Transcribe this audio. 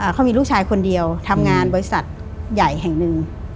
เขามีลูกชายคนเดียวทำงานบริษัทใหญ่แห่งหนึ่ง